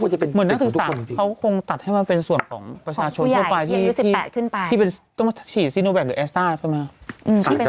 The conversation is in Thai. เหมือนนักศึกษาเขาคงตัดให้มันเป็นส่วนของประชาชนทั่วไปที่ต้องมาฉีดซีโนแกคหรือแอสต้าใช่ไหม